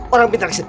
orang pintar kesini